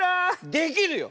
できるよ！